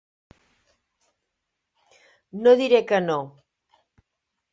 No diré que no.